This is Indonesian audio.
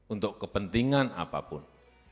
untuk kepentingan apapun